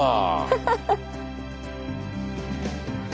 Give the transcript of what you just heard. ハハハ。